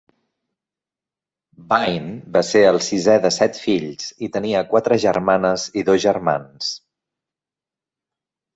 Bain va ser el sisè de set fills i tenia quatre germanes i dos germans.